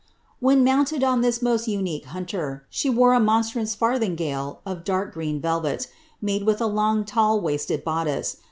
When mounted on this most unique hunter, she wore a mnnpirt'us farihingale of dark green velvet, made w ith a long tight waisied bodilice.